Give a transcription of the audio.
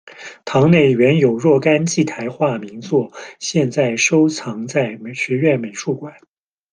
堂内原有若干祭台画名作，现在收藏在学院美术馆。